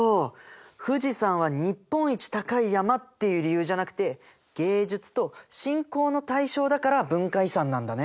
富士山は日本一高い山っていう理由じゃなくて芸術と信仰の対象だから文化遺産なんだね。